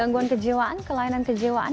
gangguan kejiwaan kelainan kejiwaan